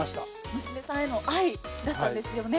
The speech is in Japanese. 娘さんへの愛だったんですね。